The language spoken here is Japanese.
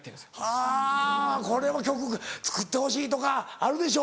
はぁこれは曲作ってほしいとかあるでしょ？